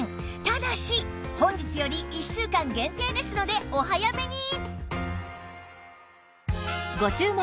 ただし本日より１週間限定ですのでお早めに！